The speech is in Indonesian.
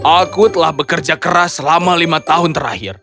aku telah bekerja keras selama lima tahun terakhir